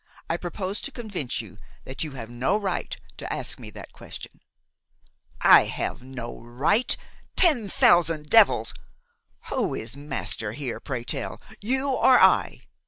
I propose to convince you that you have no right to ask me that question?" "I have no right, ten thousand devils. Who is master here, pray tell, you or I?